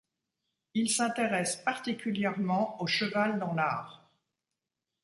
Il s'intéresse particulièrement au cheval dans l'art.